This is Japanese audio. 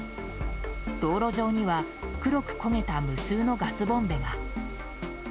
道路上には、黒く焦げた無数のガスボンベが。